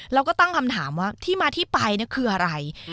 แล้วก็ตั้งคำถามว่าที่มาที่ไปคืออะไร